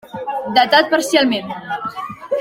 Datat parcialment.